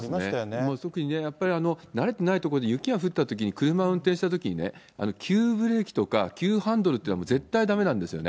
本当ですよね、やっぱり慣れてない所で雪が降ったときに、車を運転したときに、急ブレーキとか急ハンドルって、絶対だめなんですよね。